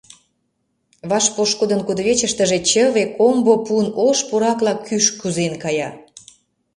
Ваш пошкудын кудывечыштыже чыве, комбо пун ош пуракла кӱш кӱзен кая.